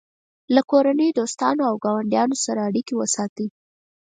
له کورنۍ، دوستانو او ګاونډیانو سره اړیکې وساتئ.